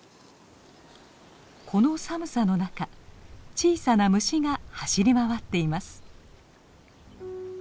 この寒さの中小さな虫が走り回っています。